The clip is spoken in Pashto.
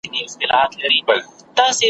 په حساب داولیا وُ کي شامله